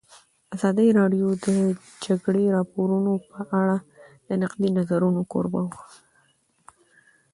ازادي راډیو د د جګړې راپورونه په اړه د نقدي نظرونو کوربه وه.